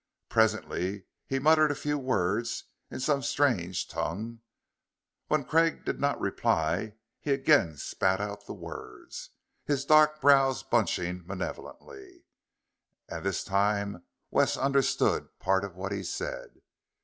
Presently he muttered a few words in some strange tongue. When Craig did not reply, he again spat out the words, his dark brows bunching malevolently. And this time Wes understood part of what he said.